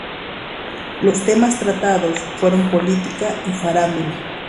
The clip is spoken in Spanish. Los temas tratados fueron política y farándula.